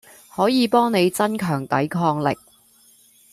可以幫你增強抵抗力